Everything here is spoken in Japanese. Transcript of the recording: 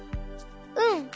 うん。